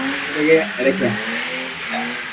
তোর ব্যাগ রেখে হাত-মুখ ধুয়ে আয়।